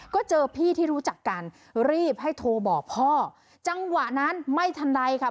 ก็เจอพี่ที่รู้จักกันรีบให้โทรบอกพ่อจังหวะนั้นไม่ทันใดค่ะ